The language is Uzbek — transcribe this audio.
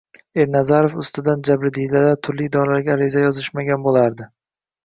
Ernazarov ustidan jabrdiydalar turli idoralarga arizalar yozishmagan bo`lardi